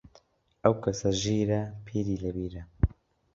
ئەو کەسە ژیرە، پیری لە بیرە